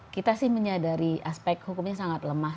kita sih menyadari aspek hukumnya sangat lemah